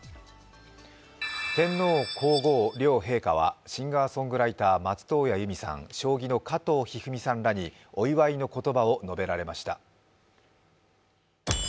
天皇皇后両陛下はシンガーソングライター、松任谷由実さん、将棋の加藤一二三さんらにお祝いの言葉を述べられました。